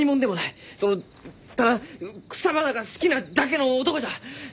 そのただ草花が好きなだけの男じゃ！